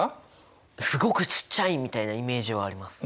すごくちっちゃいみたいなイメージはあります。